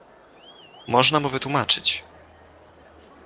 Można mu wytłumaczyć.